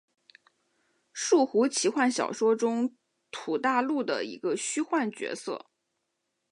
树胡奇幻小说中土大陆的一个虚构角色。